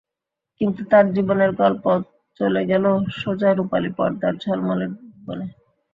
কিন্তু তাঁর জীবনের গল্প চলে গেল সোজা রুপালি পর্দার ঝলমলে ভুবনে।